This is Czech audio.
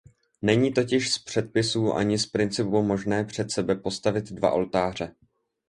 Není totiž z předpisů ani z principu možné před sebe postavit dva oltáře.